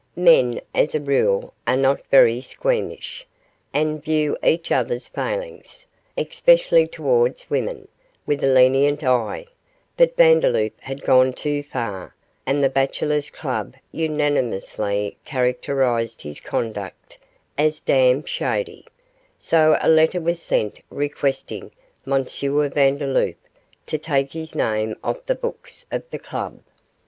Men, as a rule, are not very squeamish, and view each other's failings, especially towards women, with a lenient eye, but Vandeloup had gone too far, and the Bachelors' Club unanimously characterised his conduct as 'damned shady', so a letter was sent requesting M. Vandeloup to take his name off the books of the club.